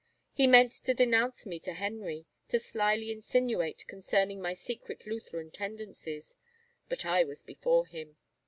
He meant to denounce me to Henry, to slyly insinuate concerning my secret Lutheran tendencies — but I was before him